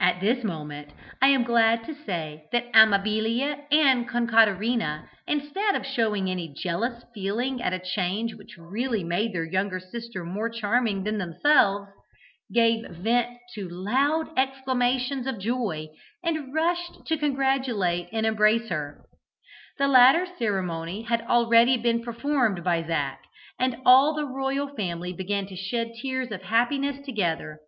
At this moment, I am glad to say that Amabilia and Concaterina, instead of showing any jealous feeling at a change which really made their younger sister more charming than themselves, gave vent to loud exclamations of joy, and rushed to congratulate and embrace her. The latter ceremony had already been performed by Zac, and all the royal family began to shed tears of happiness together.